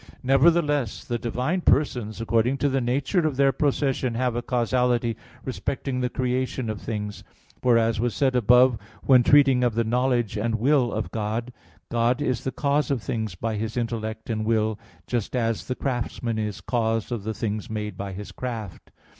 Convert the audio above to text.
Nevertheless the divine Persons, according to the nature of their procession, have a causality respecting the creation of things. For as was said above (Q. 14, A. 8; Q. 19, A. 4), when treating of the knowledge and will of God, God is the cause of things by His intellect and will, just as the craftsman is cause of the things made by his craft.